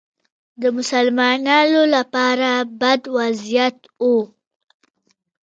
د مسلمانانو لپاره بد وضعیت و